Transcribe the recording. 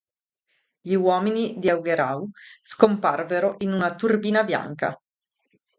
Gli uomini di Augereau scomparvero in una turbina bianca.